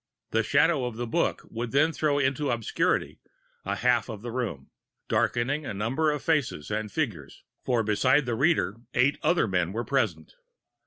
The shadow of the book would then throw into obscurity a half of the room, darkening a number of faces and figures; for besides the reader, eight other men were present.